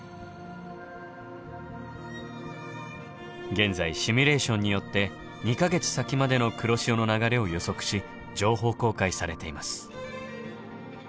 現在シミュレーションによって２か月先までの黒潮の流れを予測し情報公開されています。